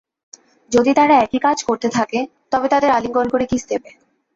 যদি তারা একই কাজ করতে থাকে তবে তাদের আলিঙ্গন করে কিস দেবে।